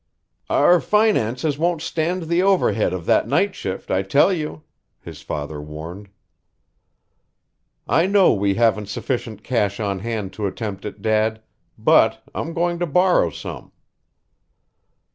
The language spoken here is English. "Our finances won't stand the overhead of that night shift, I tell you," his father warned. "I know we haven't sufficient cash on hand to attempt it, Dad, but I'm going to borrow some."